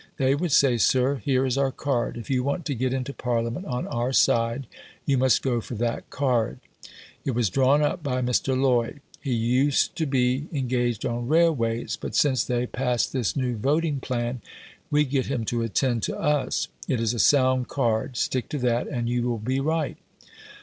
They would say, "Sir, here is our card; if you want to get into Parliament on our side, you must go for that card; it was drawn up by Mr. Lloyd; he used to be engaged on railways, but since they passed this new voting plan, we get him to attend to us; it is a sound card; stick to that and you will be right".